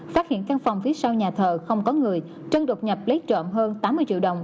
phát hiện căn phòng phía sau nhà thờ không có người trân đột nhập lấy trộm hơn tám mươi triệu đồng